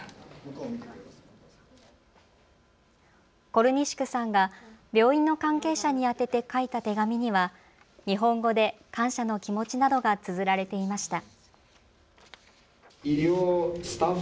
コルニシュクさんが病院の関係者に宛てて書いた手紙には日本語で感謝の気持ちなどがつづられていました。